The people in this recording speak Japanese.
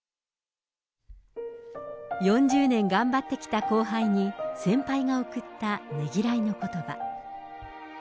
４０年頑張ってきた後輩に、先輩が送ったねぎらいのことば。